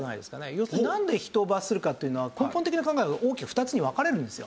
要するになんで人を罰するかっていうのは根本的な考えが大きく２つに分かれるんですよ。